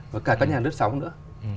và cả các nhà nước sống nữa